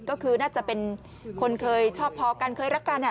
ก็คือน่าจะเป็นคนเคยชอบพอกันเคยรักกัน